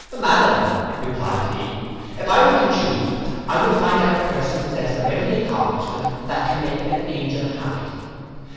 'Madam,' replied he, 'if I were to chuse, I would find out a person possessed of every accomplishment that can make an angel happy.